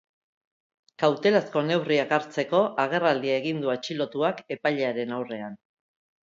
Kautelazko neurriak hartzeko agerraldia egin du atxilotuak epailearen aurrean.